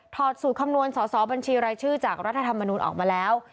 อดสูตรคำนวณสอสอบัญชีรายชื่อจากรัฐธรรมนูลออกมาแล้ว